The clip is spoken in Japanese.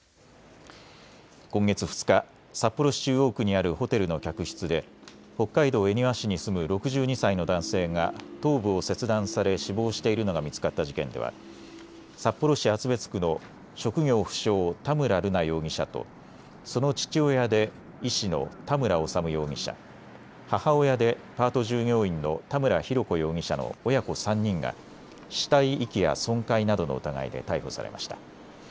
今月２日、札幌市中央区にあるホテルの客室で北海道恵庭市に住む６２歳の男性が頭部を切断され死亡しているのが見つかった事件では札幌市厚別区の職業不詳、田村瑠奈容疑者とその父親で医師の田村修容疑者、母親でパート従業員の田村浩子容疑者の親子３人が死体遺棄や損壊などの疑いで逮捕されました。